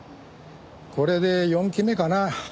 これで４期目かな？